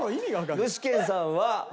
具志堅さんは。